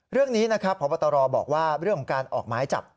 เรื่องนี้นะครับพบตรบอกว่าเรื่องของการออกหมายจับ